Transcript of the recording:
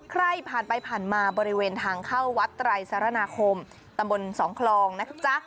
ใครผ่านไปผ่านมาบริเวณทางเข้าวัดไตรสาราคมตำบลสองคลองนะจ๊ะ